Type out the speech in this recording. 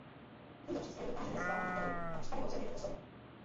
Tento přístroj dokáže nést váhu nákladu a v případě potřeby i osoby.